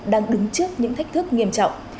đang đứng trước những thách thức nghiêm trọng